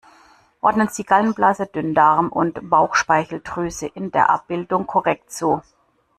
Ordnen Sie Gallenblase, Dünndarm und Bauchspeicheldrüse in der Abbildung korrekt zu!